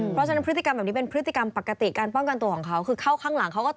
เพราะฉะนั้นพฤติกรรมแบบนี้เป็นพฤติกรรมปกติการป้องกันตัวของเขา